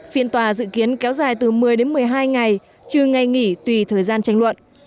phiên tòa dự kiến kéo dài từ một mươi đến một mươi hai ngày trừ ngày nghỉ tùy thời gian tranh luận